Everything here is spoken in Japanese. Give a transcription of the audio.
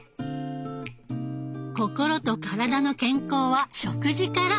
心と体の健康は食事から！